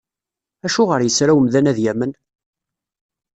Acuɣer yesra umdan ad yamen?